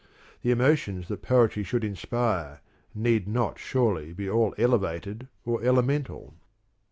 The emotions that poetry should inspire need not surely be all elevated or elemental.